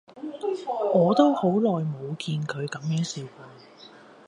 我都好耐冇見佢噉樣笑過